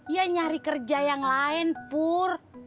ya nyari kerja yang lain pur